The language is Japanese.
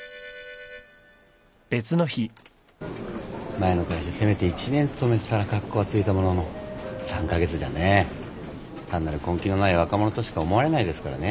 前の会社せめて１年勤めてたらカッコがついたものの３カ月じゃね単なる根気のない若者としか思われないですからね。